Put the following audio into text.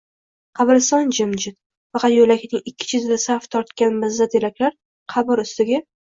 Qabriston jimjit. Faqat yo'Iakning ikki chetida saf tortgan mirzateraklar qabr ustiga